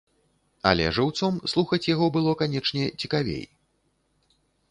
Але жыўцом слухаць яго было, канечне, цікавей.